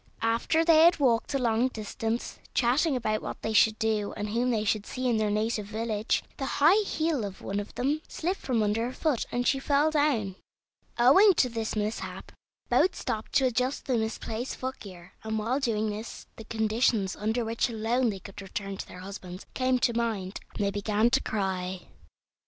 After they had walked a long distance, chatting about what they should do and whom they should see in their native village, the high heel of one of them slipped from under her foot, and she fell down. Owing to this mishap both stopped to adjust the misplaced footgear, and while doing this the conditions under which alone they could return to their husbands came to mind, and they began to cry.